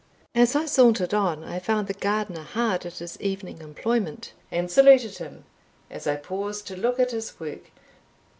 As I sauntered on, I found the gardener hard at his evening employment, and saluted him, as I paused to look at his work.